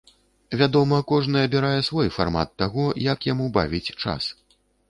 Вядома, кожны абірае свой фармат таго, як яму бавіць час.